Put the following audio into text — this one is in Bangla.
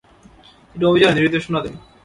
তিনি অভিযানে নির্দেশনা দেন।